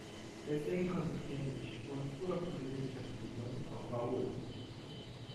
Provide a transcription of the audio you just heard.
Deswegen konzentrieren sich die Spuren früher polynesischer Besiedlung auf Raoul.